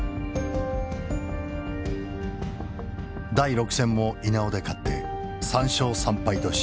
第６戦も稲尾で勝って３勝３敗とし